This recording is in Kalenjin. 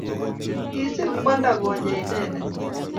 Kisiir kwanda Konyaa inendet